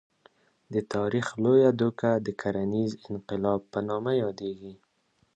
د تاریخ لویه دوکه د کرنیز انقلاب په نامه یادېږي.